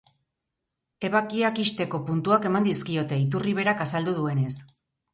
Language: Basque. Ebakiak ixteko puntuak eman dizkiote, iturri berak azaldu duenez.